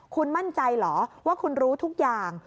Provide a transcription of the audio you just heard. คุณมั่นใจเหรอว่าคุณรู้ทุกอย่าง